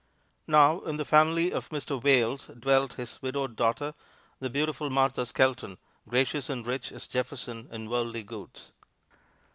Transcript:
Now, in the family of Mr. Wayles dwelt his widowed daughter, the beautiful Martha Skelton, gracious and rich as Jefferson in worldly goods.